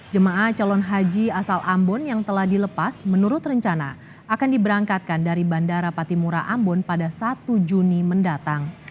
jemaah calon haji asal ambon yang telah dilepas menurut rencana akan diberangkatkan dari bandara patimura ambon pada satu juni mendatang